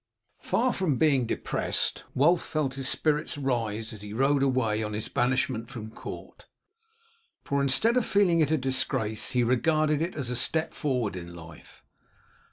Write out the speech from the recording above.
Far from being depressed, Wulf felt his spirits rise as he rode away on his banishment from court, for instead of feeling it a disgrace he regarded it as a step forward in life.